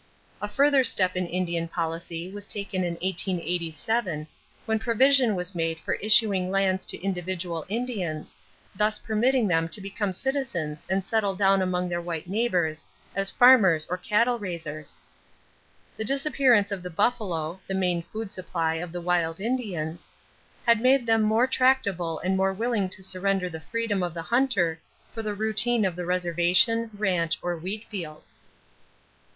A further step in Indian policy was taken in 1887 when provision was made for issuing lands to individual Indians, thus permitting them to become citizens and settle down among their white neighbors as farmers or cattle raisers. The disappearance of the buffalo, the main food supply of the wild Indians, had made them more tractable and more willing to surrender the freedom of the hunter for the routine of the reservation, ranch, or wheat field.